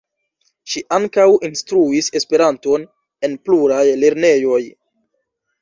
Ŝi ankaŭ instruis Esperanton en pluraj lernejoj.